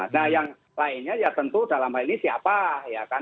nah yang lainnya ya tentu dalam hal ini siapa ya kan